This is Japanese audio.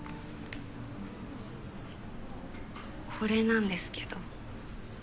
これなんですけど。